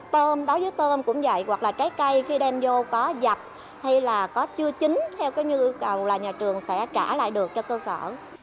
tôm đối với tôm cũng vậy hoặc là trái cây khi đem vô có dập hay là có chưa chín theo cái nhu cầu là nhà trường sẽ trả lại được cho cơ sở